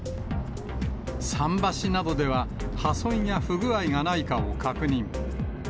桟橋などでは、破損や不具合がないかを確認。